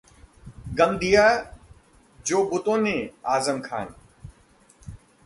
गम दिया जो बुतों ने...: आजम खान